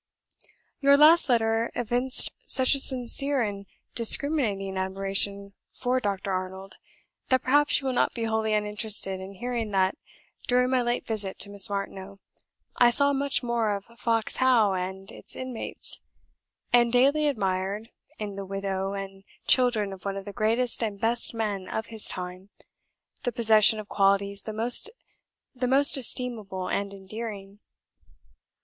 "Your last letter evinced such a sincere and discriminating admiration for Dr. Arnold, that perhaps you will not be wholly uninterested in hearing that, during my late visit to Miss Martineau, I saw much more of Fox How and its inmates, and daily admired, in the widow and children of one of the greatest and best men of his time, the possession of qualities the most estimable and endearing.